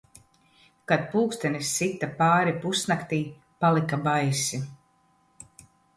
Kad pulkstenis sita pāri pusnaktij, palika baisi